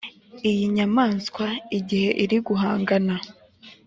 Iyi nyamaswa igihe iri guhangana